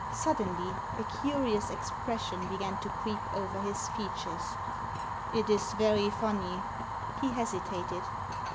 Suddenly a curious expression b^an to creep over his features. "It is very funny," He hesitated.